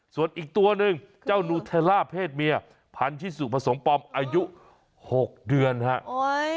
ส่วนอีกตัวหนึ่งเจ้านูเทลล่าเพศเมียพันธิสุผสมปอมอายุ๖เดือนครับ